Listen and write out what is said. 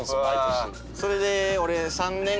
それで俺。